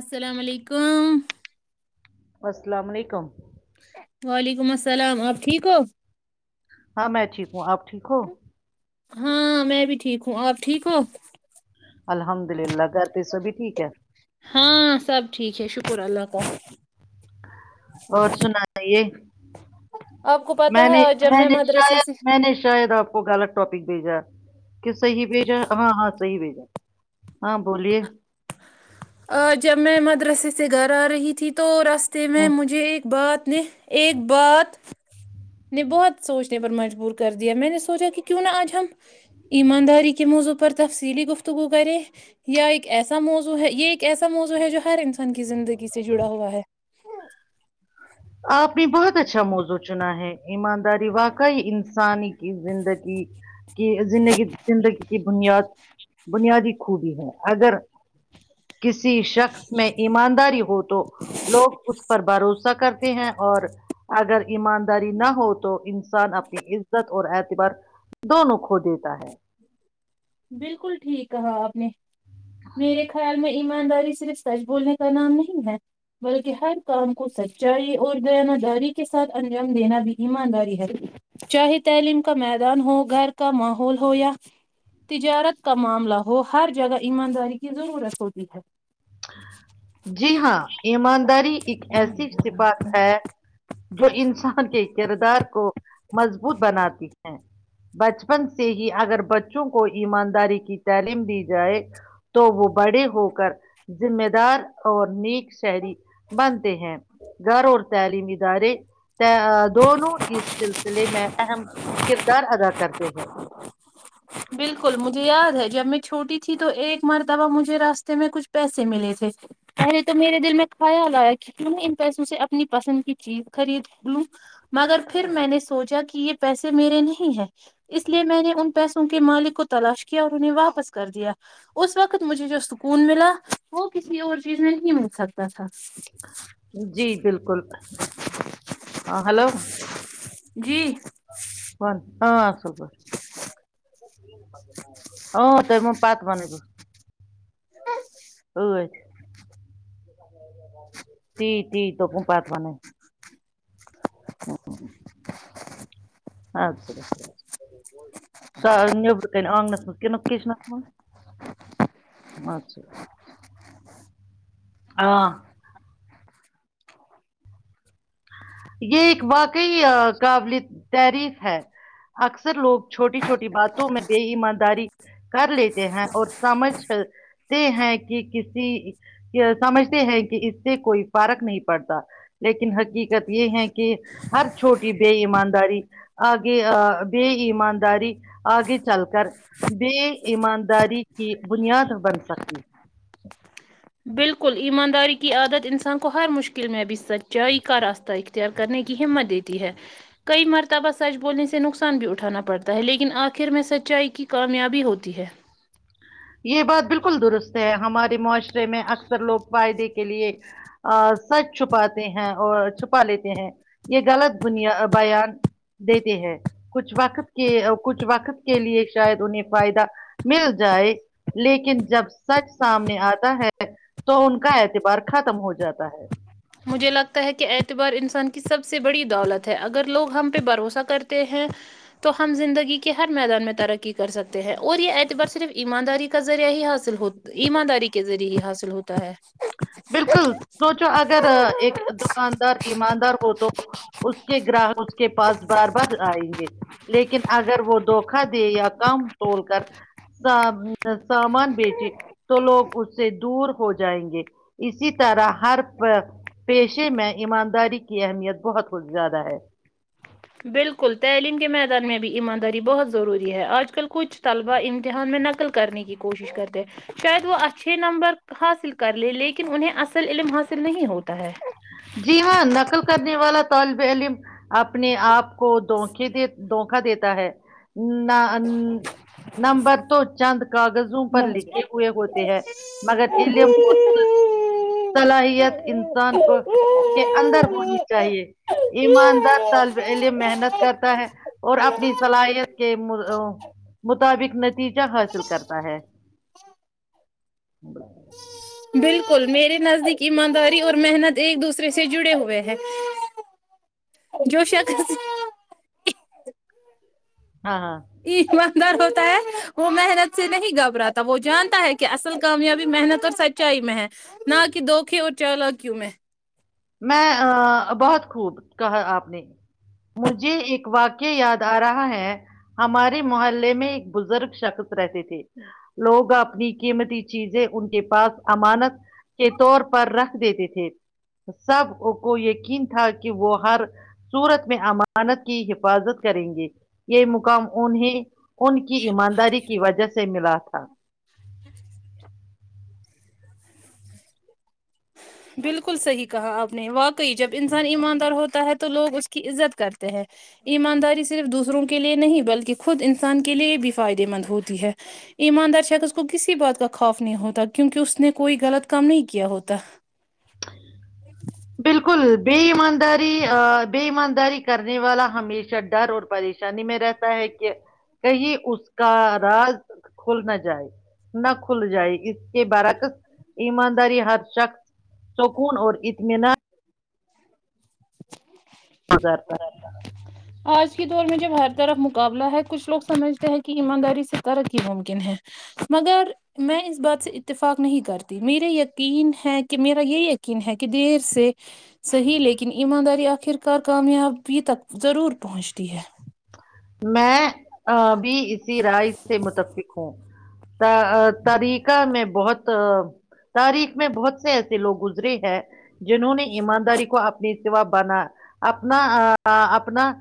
السلام علیکم السلام علیکم وعلیکم السلام آپ ٹھیک ہو ہاں میں ٹھیک ہوں آپ ٹھیک ہو ہاں میں بھی ٹھیک ہوں آپ ٹھیک ہو الحمد للہ گھر پ سبھی ٹھیک ہے ہاں سب ٹھیک ہے شکر اللہ کا اور سنے آپ کو پتہ میں ہے نے آج جب میں نے مدرسے شاید سے میں نے شاید آپ کو غالط ٹاپ بھیجا کہ صحی بھیجا ہاں ہاں صیح بھیجا ہاں بولیے آ جب میں مدرسے سے گھر آ رہی تھی تو راستے میں ہوں، مجھے ایک بات اپنے ایک بات نے بہت سوچنے پر مجبور کر دیا میں نے سوچا کہ کیوں نہا آج ہم ایمانداری کے موضوع پر تفصیلی گفتگو کریں یا ایک ایسا موضوع ہے یہ ایک ایسا موضوع ہے جو ہر انسان کی زندگی سے جڑا ہوا ہے آپ نے بہت اچھا موزو چنا ہے ایمانداری واقعی انسانی زندگی کی زندگی زندگی کی بنیاد بنیادی خوبی ہیں اگر کسی شخص میں ایمانداری ہو تو لوگ اس پر بھروسہ کرتے ہیں اور اگر ایمانداری نہ ہو تو انسان اپنی عزت اور اعتبار دونوں کھو دیتا ہے بالکل ٹھیک کہا آپ نے میرے خیال میں ایمانداری صرف سچ بولنے کا نام نہیں ہے بلکہ ہر کام کو سچائی اور بیانہ داری کے ساتھ انجام دینا بھی ایمانداری ہے چاہے تعلیم کا میدان ہو گھر کا ماحول ہو یا تجارت کا معاملہ ہو ہر جگہ ایمانداری کی ضرورت ہوتی ہے جی ہاں ایمانداری ایک ایسی سفات ہے جو انسان کے کردار کو مضبوط بناتی ہیں بچپن سے ہی اگر بچوں کو ایمانداری کی تعلیم دی جائے تو وہ بڑے ہو کر ذمہ دار اور نیک شہری بنتے ہیں گھر اور تعلیمی ادارے دونوں اس سلسلے میں اہم کردار ادا کرتے جی ہوں بالکل مجھے یاد ہے جب میں چھوٹی تھی تو ایک مرتبہ مجھے راستے میں کچھ پیسے ملے تھے پہلے تو میرے دل میں خیال آیا کہ کیوں ان پیسوں سے اپنی پسند کی چیز خرید لوں مگر پھر میں نے سوچا کہ یہ پیسے میرے نہیں ہے اس لیے میں نے ان پیس کے مالک کو تلاش کیا اور انہیں واپس کر دیا اس وقت مجھے جو سکون ملا وہ کسی اور چیز میں نہیں مل سکتا تھا جی بالکل ہاں ہلو جی کون ہ خبر ا تو م پات بنل تی تی توپ پات پانے اچ سا خ س نیب کن آنگنس م ن کچنس ما ہ یہ ایک واقعی قابل تعریف ہے اکثر لوگ چھوٹی چھوٹی باتوں میں بے ایمانداری کر لیتے ہیں اور سمجھتے ہیں کہ کسی سمجھتے ہیں کہ اس سے کوئی فرق نہیں پڑتا لیکن حقیق قت یہ ہے کہ ہر چھوٹی بے ایمانداری آگے بے ایمانداری آگے چل کر بے ایمانداری کی بنیاد بن سکتی بالکل ایمانداری کی عادت انسان کو ہر مشکل میں ابھی سچائی کا راستہ اختیار کرنے کی ہمت دیتی ہے کئی مرتبہ سچ بولنے سے نقصان بھی اٹھانا پڑتا ہے لیکن آخر میں سچائی کی کامیابی ہوتی ہے یہ بات بالکل درست [unintelligible] سے ہماری مش میں اکثر لوگ پائی دیکھے کے لیے سچ چھپاتے ہیں اور چھپا لیتے ہیں یہ غلط دنیا بیان دیتے ہیں کچھ وقت کے کچھ وقت کے لیے شاید انہیں فائدہ مل جائے لیکن جب سچ سامنے آتا ہے تو ان کا اعتبار ختم ہو جاتا ہے مجھے لگتا ہے کہ اعتبار انسان کی سب سے بڑی دولت ہے اگر لوگ ہم پہ بھروسہ کرتے ہیں تو ہم زندگی کے ہر میدان میں ترقی کر سکتے ہیں اور یہ اعتبار صرف ایمانداری کا ذریعہ ہی حاصل ایمانداری کے ذریعے ہی حاصل ہوتا ہے بالکل سوچو اگر ایک دکاندار ایماندار ہو تو اس کے گراہک اس کے پاس بار بار آئیں گے لیکن اگر وہ دھوکا دے یا کام توول کر سامان بیچے تو لوگ اس سے دور ہو جائیں گے اسی طرح ہر پیشے میں ایمانداری کی اہمیت بہت کچ زیادہ ہے بالکل تعلیم کے میدان میں بھی ایمانداری بہت ضروری ہے آج کل کچھ طلبہ امتحان میں نقل کرنے کی کوشش کرتے شاید وہ اچھے نمبر حاصل کر لے لیکن انہیں اصل علم حاصل نہیں ہوتا ہے جی ہاں نقل کرنے والا طالب علم اپنے آپ کو دے د دھکا دیتا ہے نمبر تو چند کاغذوں پر لکھے ہوئے ہوتے ہیں مگر علم صلاحیت انسان کے اندر ہونی چاہیے ایماندار طالب علم محنت کرتا ہے اور اپنی صلاحیت کے مطابق نتیجہ حاصل کرتا ہے بس بالکل میرے نزدیک ایمانداری اور محنت ایک دوسرے سے جڑے ہوئے ہے جو شک ا ہاں ہاں در ہوتا ہے وہ محنت سے نہیں گھب رہا وہ جانتا ہے کہ اصل کامیابی محنت اور سچائی میں ہے نہ کہ دوکے اور چولا کیوں میں میں بہت خوب کہا آپ نے مجھے ایک واقع یاد آ رہا ہے ہمارے محلے میں ایک بزرگ شخص رہتے تھے لوگ اپنی قیمتی چیزیں ان کے پاس امانت کے طور پر رکھ دیتے تھے ٹھیک سب کو یقین تھا کہ وہ ہر صورت میں امانت کی حفاظت کریں گے یہ مقام انہیں ان کی ایمانداری کی وجہ سے ملا تھا بالکل صحیح کہا آپ نے واقعی جب انسان ایماندار ہوتا ہے تو لوگ اس کی عزت کرتے ہیں ایمانداری صرف دوسروں کے لیے نہیں بلکہ خود انسان کے لیے بھی فائدے مند ہوتی ہے ایماندار شخص کو کسی بات کا خوف نہیں ہوتا کیونکہ اس نے کوئی غلط کام نہیں کیا ہوتا بالکل بیی ہم داری بی م داری کرنے والا ہمیشہ ڈر اور پریشانی میں رہتا ہے کہ کہیں اس کا راز کھل نہ جائے نہ کھل جائے اس کے برعکس ایمانداری ہر شخص سکون اور اس ہے نا گزارتا آج دور میں جب ہر طرف مقابلہ ہے کچھ لوگ سمجھتے ہیں کہ ایمانداری سے ترق ہی ممکن ہے مگر میں اس بات سے اتفاق نہیں کرتی میرے یقین ہے کہ میرا یہ یقین ہے کہ دیر سے صحیح لیکن ایمانداری آخر کار کامیابی تک ضرور پہنچتی ہے میں بھی اسی رائے سے متفق ہوں تارییکہ میں بہت تاریخ میں بہت سے ایسے لوگ گزرے ہیں جنہوں نے ایمانداری کو اپنی ا بنا اپنا اپنا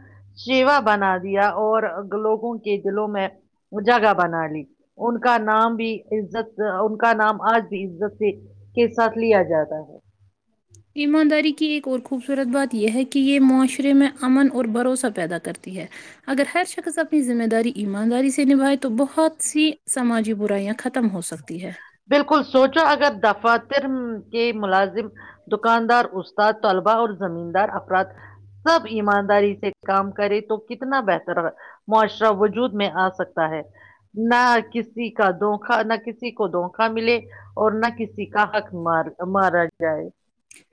سیوا بنا دیا اور لوگوں کے دلوں میں جگہ بنا لی ان کا نام بھی عت ان کا نام آج بھی عزت سے کے ساتھ لیا جاتا ہے ایمانداری کی ایک اور خوبصورت بات یہ ہے کہ یہ معاشرے میں امن اور بھروسہ پیدا کرتی ہے اگر ہر شخص اپنی ذمہ داری ایمانداری سے نبھائے تو بہت سی سماجی برائیاں ختم ہو سکتی ہے بالکل سوچ اگر دفاتر کے ملازم دکاندار اس طلبہ اور زمیندار افراد سب ایمانداری سے کام کرے تو کتنا بہتر معاشرہ وجود میں آ سکتا ہے نہ کسی کا دوکا نہ کسی کو دا ا ملے اور نہ کسی کا حق مار مارا جائے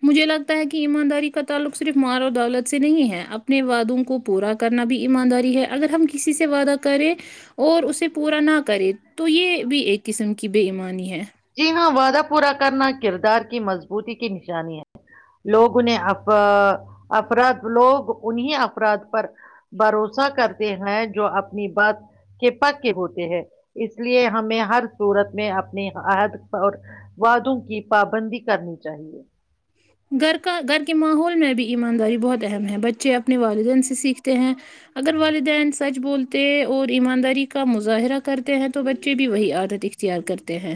مجھے لگتا ہے کہ ایمانداری کا تعلق صرف مار و دولت سے نہیں ہے اپنے وعادوں کو پورا کرنا بھی ایمانداری ہے اگر ہم کسی سے وعدہ کریں اور اسے پورا نہ کرے تو یہ بھی ایک قسم کی بے ایمانی ہے جی ہاں وعدہ پورا کرنا کردار کی مضبوطی کی نشانی ہے لوگ انہیں افراد لوگ انہیں افراد پر بھروسہ کرتے ہیں جو اپنی بات کے پکے ہوتے ہیں اس لیے ہمیں ہر صورت میں اپنے حد اور وادوں کی پابندی کرنی چاہیے گھر کا گھر کے ماحول میں بھی ایمانداری بہت اہم ہے بچے اپنے والدین سے سیکھتے ہیں اگر والدین سچ بولتے اور ایمانداری کا مظاہرہ کرتے ہیں تو بچے بھی وہی عادت اختیار کرتے ہیں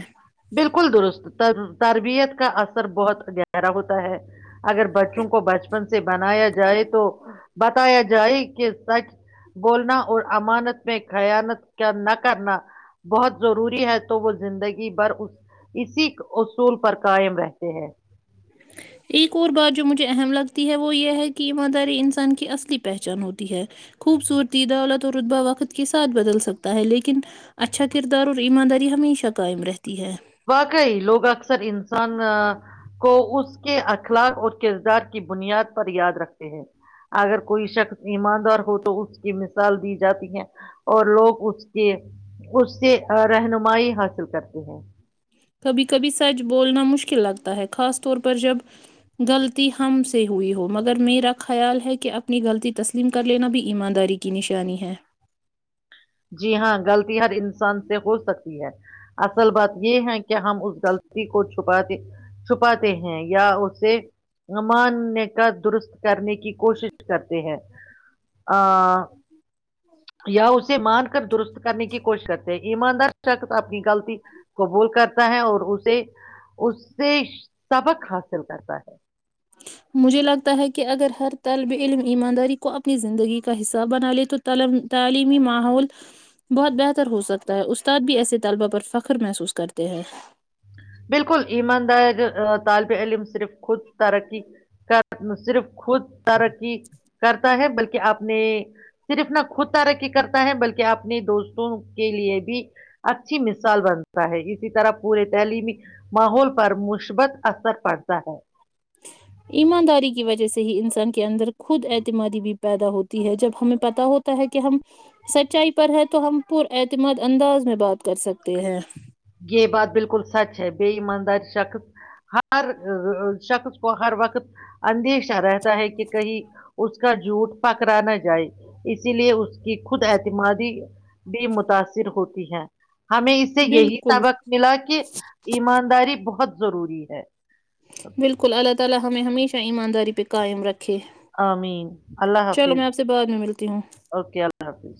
بالکل درست تر تربیت کا اثر بہت گہرا ہوتا ہے اگر بچوں کو بچپن سے بنایا جائے تو بتایا جائے کہ سچ بولنا اور امانت میں خانت کیا نہ کرنا بہت ضروری ہے تو وہ زندگی بھر اسی اصول پر قائم رہتے ہیں ایک اور بات جو مجھے اہم لگتی ہے وہ یہ ہے کہ ایمانداری انسان کی اصلی پہچان ہوتی ہے خوبصورتی دولت اور رتبا وقت کے ساتھ بدل سکتا ہے لیکن اچھا کردار اور ایمانداری ہمیشہ قائم رہتی ہے واقعی لوگ اکثر انسان کو اس اس کے اخلاق اور کردار کی بنیاد پر یاد رکھتے ہیں اگر کوئی شخص ایماندار ہو تو اس کی مثال دی جاتی ہے اور لوگ اس کے اس سے رہنمائی حاصل کرتے ہیں کبھی کبھی سچ بولنا مشکل لگتا ہے خاص طور پر جب غلطی ہم سے ہوئی ہو مگر میرا خیال ہے کہ اپنی غلطی تسلیم کر لینا بھی ایمانداری کی نشانی ہے جی ہاں غلط ہر سے ہو سکتی ہے اصل بات یہ ہے کہ ہم اس غط کو چ چھپاتے ہیں یا اسے ماننے کا درست کرنے کی [unintelligible] کی کوشش کرتے ہیں یا اس سے مان کر درست کرنے کی کوشش کرتے ہیں ایماندار شک آپ کی غلطی قبول کرتا ہے اور اسے اس سے سبق حاصل کرتا ہے مجھے لگتا ہے کہ اگر ہر طلب علم ایمانداری کو اپنی زندگی کا حساب بنا لے تو تعلیمی ماحول بہت بہتر ہو سکتا ہے استاد بھی ایسے طالبہ پر فخر محسوس کرتے ہیں بالکل ایماندار طالب علم صرف خود ترقی کر نہ صرف خود ترقی کرتا ہے بلکہ اپنے صرف نہ خود ترقی کرتا ہے بلکہ اپنے دوستوں کے لیے بھی اچھی مثال بنتا ہے اسی طرح پورے جہلی میں [unintelligible] ماحول پر مثبت [unintelligible] اثر پڑتا ہے ایمانداری کی وجہ سے ہی انسان کے اندر خود اعتمادی بھی پیدا ہوتی ہے جب ہمیں پت ہوتا ہے کہ ہم سچائی پر ہے تو ہم پر اعتماد انداز میں بات کر سکتے ہیں یہ بات بالکل سچ ہے بے ایماندار شخص ہر شخص کو ہر وقت اندیشہ رہتا ہے کہ کہیں اس کا جھوٹ پکڑا نہ جائے اسی لیے اس کی خود ا [unintelligible] اعتمادی بھی متاثر ہوتی ہے ہمیں اس سے یہی بالکل سبق ملا کہ ایمانداری بہت ضروری ہے ا [inaudible] بالکل اللہ تعالی ہمیں ہمیشہ ہی ایمانداری پہ قائم رکھ آمین اللہ حافظ آپ سے بعد میں ملتی ہوں اوکے اللہ حافظ